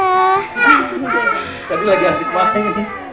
tadi lagi asik main